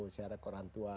sejarah ke orang tua